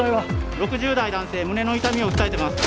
６０代男性胸の痛みを訴えてます。